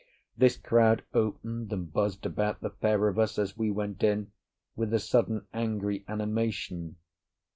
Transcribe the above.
This crowd opened and buzzed about the pair of us as we went in, with a sudden angry animation.